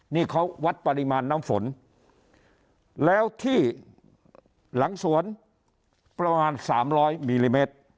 นี่เขาวัดปริมาณน้ำฝนแล้วที่หลังสวนประมาณ๓๐๐มิลลิเมตร